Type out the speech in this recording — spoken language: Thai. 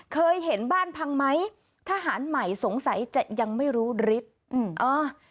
เคยเห็นบ้านพังไหมทหารใหม่สงสัยจะยังไม่รู้ฤทธิ์อืมเออ